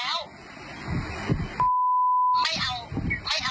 แล้วคนตำรวจก็อยู่รองรอง